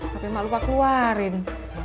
tapi mak lupa keluarin